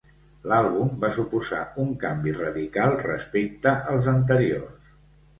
L’àlbum va suposar un canvi radical respecte als anteriors.